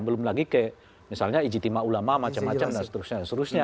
belum lagi ke misalnya ijitima ulama dan macam macam seterusnya